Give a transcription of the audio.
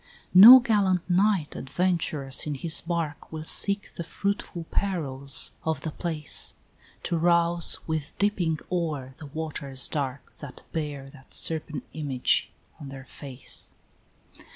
VI. No gallant knight, adventurous, in his bark, Will seek the fruitful perils of the place, To rouse with dipping oar the waters dark That bear that serpent image on their face.